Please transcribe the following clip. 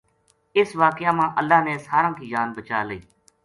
اس واقعہ ما اللہ نے ساراں کی جان بچا لئی